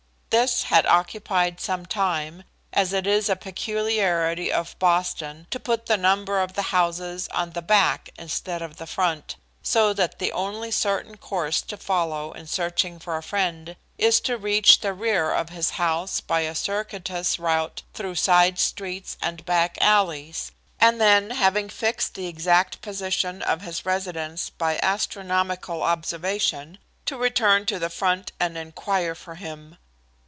This had occupied some time, as it is a peculiarity of Boston to put the number of the houses on the back instead of the front, so that the only certain course to follow in searching for a friend, is to reach the rear of his house by a circuitous route through side streets and back alleys, and then, having fixed the exact position of his residence by astronomical observation, to return to the front and inquire for him.